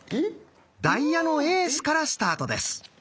ダイヤのエースからスタートです。